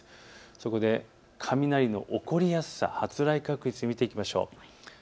そこで雷の起こりやすさ発雷確率を見ていきましょう。